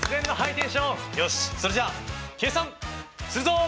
よしそれじゃあ計算するぞ！